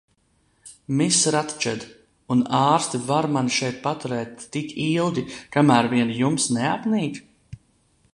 Miss Ratčed, un ārsti var mani šeit paturēt tik ilgi, kamēr vien jums neapnīk?